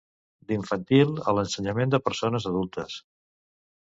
D'infantil a l'ensenyament de persones adultes.